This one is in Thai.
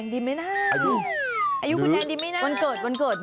ดูนี่